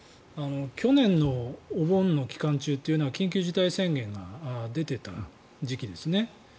去年のお盆の期間中は緊急事態宣言が出ていた時期ですね。